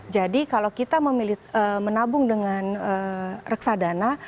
jadi kalau kita memilih menabung dengan reksadana